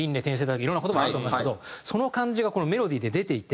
いろんな言葉があると思いますけどその感じがこのメロディーで出ていて。